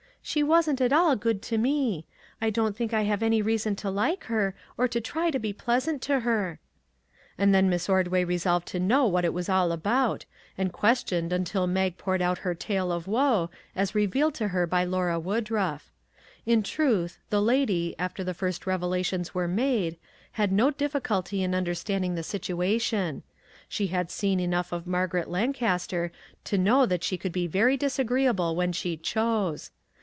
" She wasn't at all good to me. I don't think I have any reason to like her, or to try to be pleasant to her." And then Miss Ord way resolved to know what it was all about, and questioned until Mag poured out her tale of woe, as revealed to her by Lora Woodruff. In truth, the lady, after the first revelations were made, had no difficulty in understanding the situation; she had seen enough of Mar garet Lancaster to know that she could be very disagreeable when she chose.